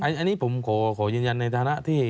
อันนี้ผมขอยืนยันในฐานะที่